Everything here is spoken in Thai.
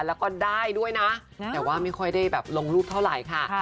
แล้วก็ได้ด้วยนะแต่ว่าไม่ค่อยได้แบบลงรูปเท่าไหร่ค่ะ